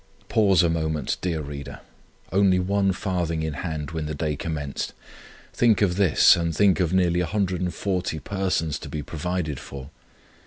Pause a moment, dear reader! Only one farthing in hand when the day commenced. Think of this, and think of nearly 140 persons to be provided for.